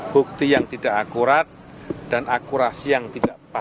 bukti yang tidak akurat dan akurasi yang tidak pas